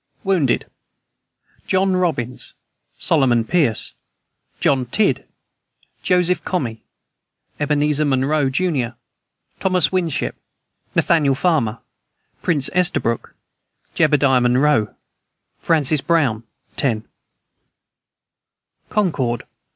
Wounded: John Robbins, Solomon Pierce, John Tidd, Joseph Comee, Ebenezer Monroe, jr., Thomas Winship, Nathaniel Farmer, Prince Estabrook, Jedediah Monroe, Francis Brown, 10. CONCORD.